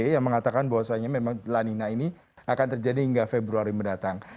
yang mengatakan bahwasannya memang lanina ini akan terjadi hingga februari mendatang